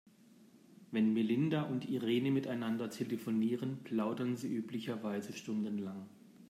Wenn Melinda und Irene miteinander telefonieren, plaudern sie üblicherweise stundenlang.